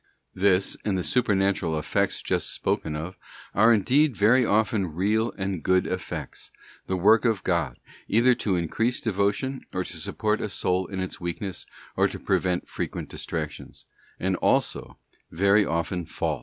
This, and the supernatural effects just spoken of, are indeed very often real and good effects, the work of God, either to increase devotion, or to support a soul in its weak ness, or to prevent frequent distractions, and also very often * S.